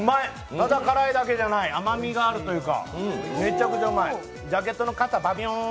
ただ辛いだけじゃない、甘みがあるというかめちゃくちゃうまい、ジャケットの肩、バビョーン。